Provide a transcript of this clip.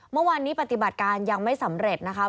เมื่อวานนี้ปฏิบัติการยังไม่สำเร็จนะคะ